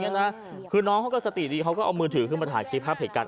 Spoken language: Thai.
นะคือน้องเขาก็สติดีเขาก็เอามือถือขึ้นมาถ่ายคลิปภาพเหตุการณ์